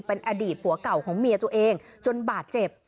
เป็นอดีตผัวเก่าของเมียตัวเองจนบาดเจ็บ